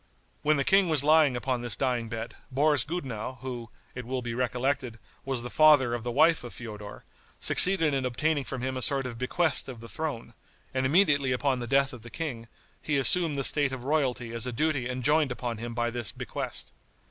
When the king was lying upon this dying bed, Boris Gudenow, who, it will be recollected, was the father of the wife of Feodor, succeeded in obtaining from him a sort of bequest of the throne, and immediately upon the death of the king, he assumed the state of royalty as a duty enjoined upon him by this bequest.